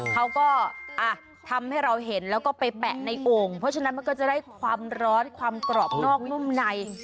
เขาก็ทำให้เราเห็นแล้วก็ไปแปะในโอ่งเพราะฉะนั้นมันก็จะได้ความร้อนความกรอบนอกนุ่มใน